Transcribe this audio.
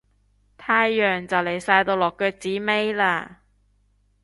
太陽就嚟晒到落腳子尾喇